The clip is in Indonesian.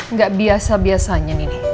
nggak biasa biasanya nih